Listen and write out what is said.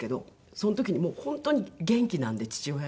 その時に本当に元気なんで父親が。